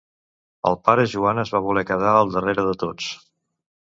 El pare Joan es va voler quedar al darrere de tots.